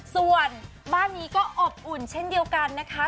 ส่วนบ้านนี้ก็อบอุ่นเช่นเดียวกันนะคะ